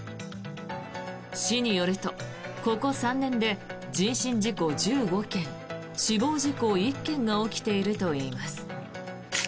市によるとここ３年で人身事故１５件死亡事故１件が起きているといいます。